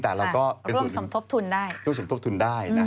แต่เราก็ร่วมสมทบทุนได้